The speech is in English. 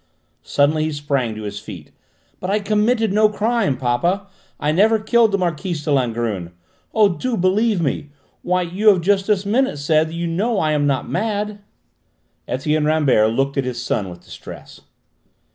Suddenly he sprang to his feet. "But I committed no crime, papa! I never killed the Marquise de Langrune! Oh, do believe me! Why, you have just this minute said that you know I am not mad!" Etienne Rambert looked at his son with distress.